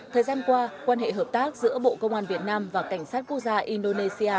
thời gian qua quan hệ hợp tác giữa bộ công an việt nam và cảnh sát quốc gia indonesia